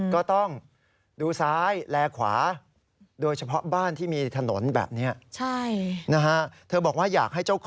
ก็ต้องดูซ้ายและขวา